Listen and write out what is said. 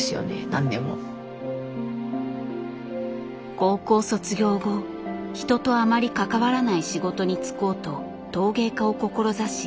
高校卒業後人とあまり関わらない仕事に就こうと陶芸家を志し